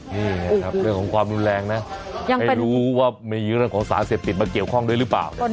นี่ไงครับเรื่องของความรุนแรงนะไม่รู้ว่ามีเรื่องของสารเสพติดมาเกี่ยวข้องด้วยหรือเปล่า